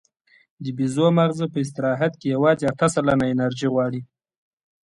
د بیزو ماغزه په استراحت کې یواځې اته سلنه انرژي غواړي.